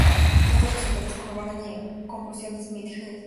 Estos resultados corroboran la conclusión de Smith et al.